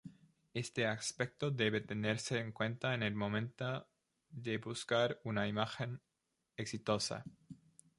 Este aspecto debe tenerse en cuenta en el momento de buscar una imagen exitosa.